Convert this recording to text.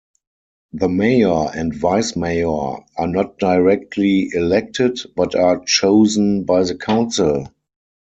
The mayor and vice-mayor are not directly elected, but are chosen by the council.